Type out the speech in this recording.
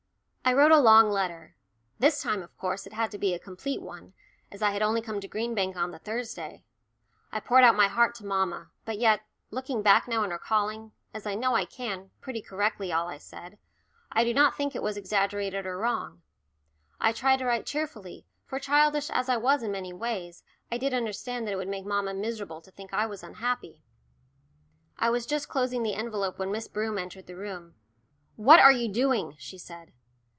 I wrote a long letter. This time, of course, it had to be a complete one, as I had only come to Green Bank on the Thursday. I poured out my heart to mamma, but yet, looking back now and recalling, as I know I can, pretty correctly, all I said, I do not think it was exaggerated or wrong. I tried to write cheerfully, for childish as I was in many ways, I did understand that it would make mamma miserable to think I was unhappy. I was just closing the envelope when Miss Broom entered the room. "What are you doing?" she said.